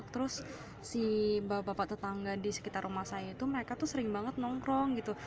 terus si bapak bapak tetangga di sekitar rumah saya itu mereka tuh sering banget nongkrong gitu